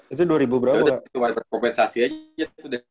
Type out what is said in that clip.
itu cuma kompensasi aja